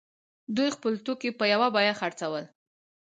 دوی خپل توکي په یوه بیه خرڅول.